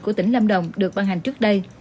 của tỉnh lâm đồng được văn hành trước đây